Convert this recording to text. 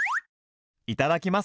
いただきます！